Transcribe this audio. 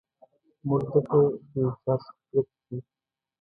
موږ ځکه د یو چا څخه کرکه کوو.